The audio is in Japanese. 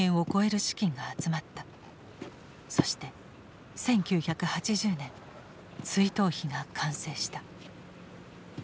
そして１９８０年追悼碑が完成した。